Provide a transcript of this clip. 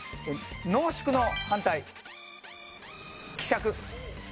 濃縮の反対希釈。